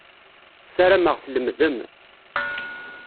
Sarameɣ tlemmdem.